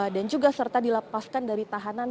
dan juga serta dilepaskan dari tahanan